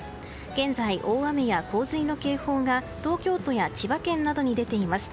現在、大雨や洪水の警報が東京都や千葉県などに出ています。